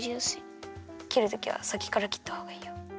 きるときはさきからきったほうがいいよ。